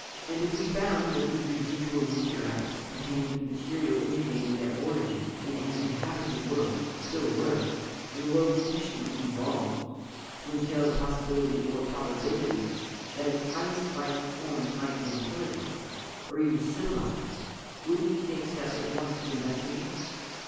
"And if We found that these residual meteorites contained material indicating their origin in an inhabited world still worse, in a world sufficiently evolved to entail the possibility or probability that its highest life forms might be intelligent or even civilized wouldn't we take steps at once to investigate?